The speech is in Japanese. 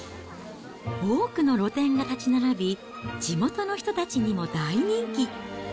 多くの露店が立ち並び、地元の人たちにも大人気。